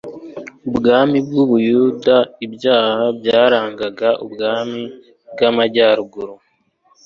ubwami bwUbuyuda ibyaha byarangaga ubwami bwamajyaruguru